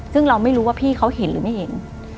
ซึ่งเราไม่รู้ว่าพี่เขาเห็นหรือไม่เห็น